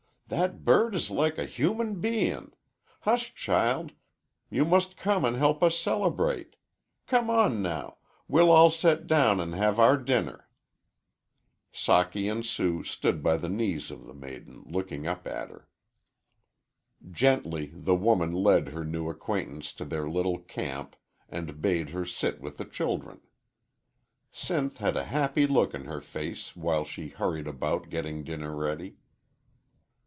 "That bird is like a human bein'. Hush, child, you mus' come an' help us celebrate. Come on now; we'll all set down an' have our dinner." Socky and Sue stood by the knees of the maiden looking up at her. Gently the woman led her new acquaintance to their little camp, and bade her sit with the children. Sinth had a happy look in her face while she hurried about getting dinner ready.